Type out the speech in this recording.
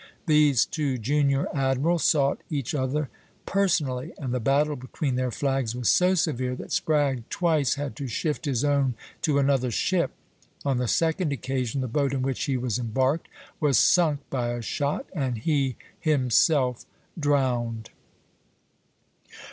These two junior admirals sought each other personally, and the battle between their flags was so severe that Spragge twice had to shift his own to another ship; on the second occasion the boat in which he was embarked was sunk by a shot, and he himself drowned.